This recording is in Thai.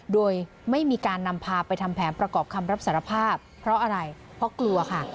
โดยไม่มีการนำพาไปทำแผนประกอบคำรับสารภาพเพราะอะไรเพราะกลัวค่ะ